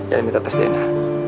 dari mitra tesdena